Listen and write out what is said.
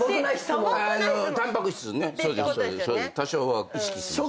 多少は意識してます。